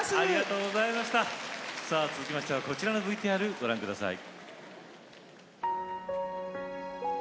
さあ続きましてはこちらのＶＴＲご覧下さい。